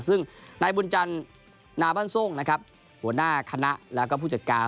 ซึ่งนายบุญจันทร์นาบ้านทรงนะครับหัวหน้าคณะแล้วก็ผู้จัดการ